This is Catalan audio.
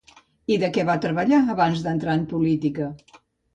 I de què va treballar abans d'entrar en política?